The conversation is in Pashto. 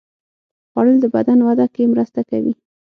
خوړل د بدن وده کې مرسته کوي